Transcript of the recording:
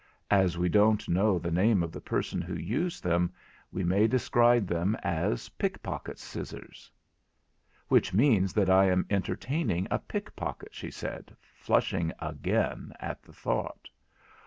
As we don't know the name of the person who used them, we may describe them as pickpocket's scissors.' 'Which means that I am entertaining a pickpocket,' said she, flushing again at the thought.